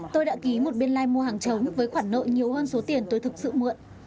tôi đã ký một biên lai mua hàng trống với khoản nợ nhiều hơn số tiền tôi thực sự mượn